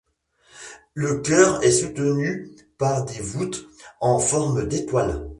Le chœur est soutenu par des voûtes en forme d'étoile.